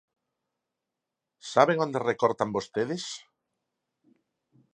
¿Saben onde recortan vostedes?